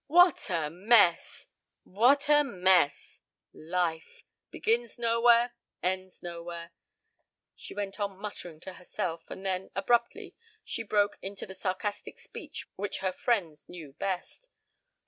"What a mess! What a mess! Life! Begins nowhere, ends nowhere." She went on muttering to herself, and then, abruptly, she broke into the sarcastic speech which her friends knew best.